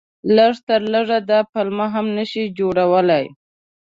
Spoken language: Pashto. لږ تر لږه دا پلمه هم نه شي جوړېدلای.